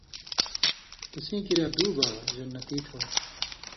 تسیں کِریا دُو باغہ (جنتی) تھو۔